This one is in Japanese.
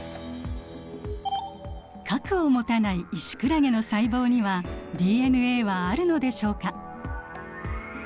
核を持たないイシクラゲの細胞にはＤＮＡはあるのでしょうか？